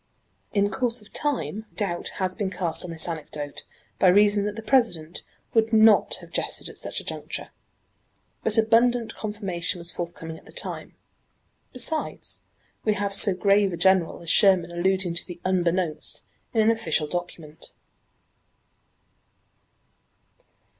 In course of time doubt has been cast on this anecdote by reason that the President would not have jested at such a juncture. But abundant confirmation was forthcoming at the time. Besides, we have so grave a general as Sherman alluding to the "Unbeknownst" in an official document.